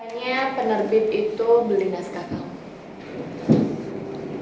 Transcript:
makanya penerbit itu beli naskah kamu